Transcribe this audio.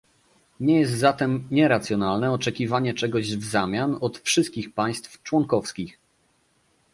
Nie jest zatem nieracjonalne oczekiwanie czegoś w zamian od wszystkich państw członkowskich